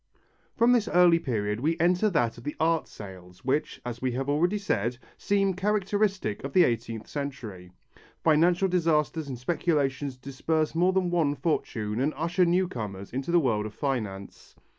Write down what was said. From this early period we enter that of the art sales, which, as we have already said, seem characteristic of the eighteenth century. Financial disasters and speculations disperse more than one fortune and usher new comers into the world of finance.